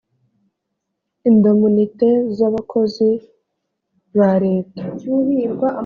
indamunite z abakozi ba leta